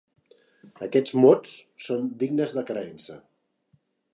Aquests mots són dignes de creença.